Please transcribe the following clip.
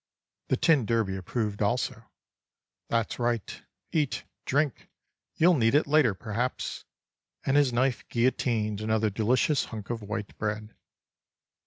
The tin derby approved also: "That's right, eat, drink, you'll need it later perhaps." And his knife guillotined another delicious hunk of white bread.